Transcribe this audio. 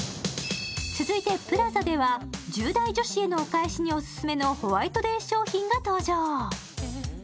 続いてＰＬＡＺＡでは、１０代女子へのお返しにオススメのホワイトデー商品が登場。